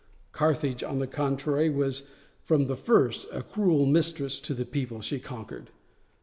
Carthage, on the contrary, was from the first a cruel mistress to the people she conquered.